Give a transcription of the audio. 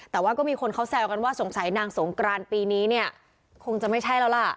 แต่ว่าก็มีคนเขาแซวกันว่าสงสัยนางสงกรานปีนี้เนี่ยคงจะไม่ใช่แล้วล่ะ